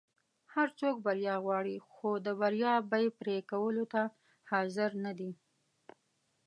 هر څوک بریا غواړي خو د بریا بیی پری کولو ته حاضر نه دي.